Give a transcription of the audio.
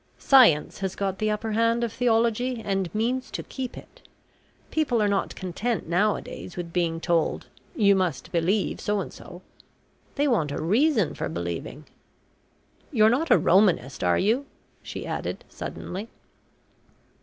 Science has got the upper hand of theology and means to keep it. People are not content now a days with being told `you must believe so and so.' They want a reason for believing. You're not a Romanist, are you?" she added suddenly.